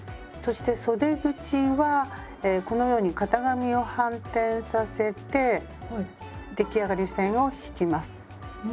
そしてそで口はこのように型紙を反転させて出来上がり線を引きます。